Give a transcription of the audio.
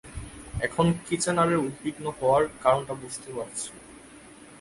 এখন কিচ্যানারের উদ্বিগ্ন হওয়ার কারণটা বুঝতে পারছি!